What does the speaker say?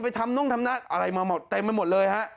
ไปทำน่งทำนักอะไรมาเต็มมาหมดเลยฮะ